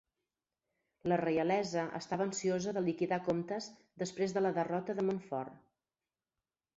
La reialesa estava ansiosa de liquidar comptes després de la derrota de Montfort.